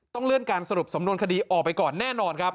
เลื่อนการสรุปสำนวนคดีออกไปก่อนแน่นอนครับ